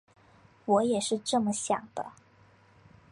我也是这么想的